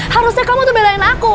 harusnya kamu tuh belain aku